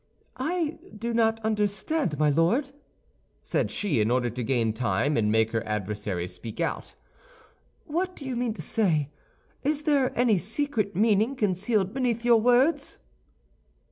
"I do not understand, my Lord," said she, in order to gain time and make her adversary speak out. "What do you mean to say? Is there any secret meaning concealed beneath your words?"